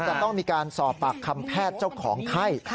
จะต้องมีการสอบปากคำแพทย์เจ้าของไข้